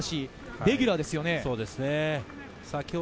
レギュラーですよね。